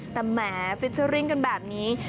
แต่แหมฟิเจอร์ริ่งกันแบบนี้